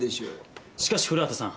しかし古畑さん。